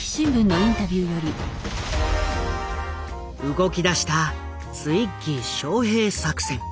動きだしたツイッギー招聘作戦。